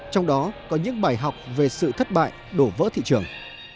trong đó có những bài học về sự thất bại đổ vỡ thị trường